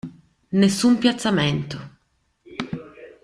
Nessun piazzamento.